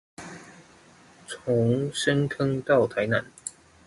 從深坑到台南